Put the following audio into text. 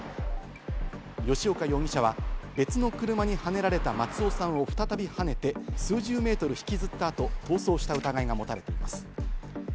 吉岡容疑者は別の車にはねられた松尾さんを再びはねて、数十メートル引きずったあと逃走した疑いが持たれています。